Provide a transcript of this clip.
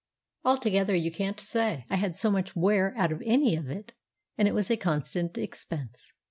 Altogether, you can't say I had so much wear out of any of it, and it was a constant expense.